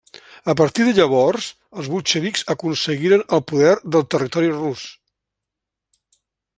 A partir de llavors, els bolxevics aconseguiren el poder del territori rus.